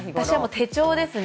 手帳ですね。